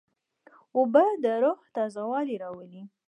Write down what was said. اوبه د روح تازهوالی راولي.